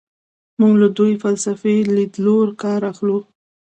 موږ له دوو فلسفي لیدلورو کار اخلو.